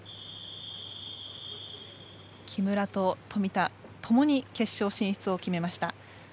木村と富田ともに決勝進出を決めました。